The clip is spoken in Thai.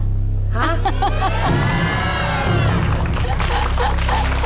ครับ